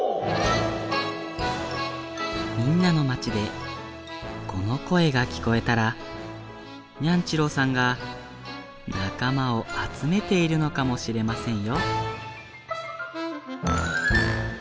みんなのまちでこのこえがきこえたらニャンちろうさんがなかまをあつめているのかもしれませんよ。